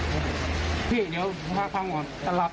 ผมก็เปิดต่อหน้าตรงนี้เลยครับ